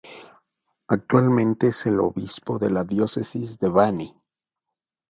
Actualmente es el obispo de la diócesis de Baní.